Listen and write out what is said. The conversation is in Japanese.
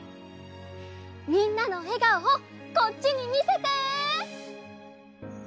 みんなのえがおをこっちにみせて！